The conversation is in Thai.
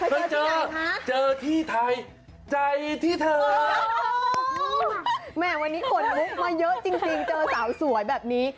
มาเจอเจอที่ไทยใจที่เธอแหมวันนี้ขนลุกมาเยอะจริงเจอสาวสวยแบบนี้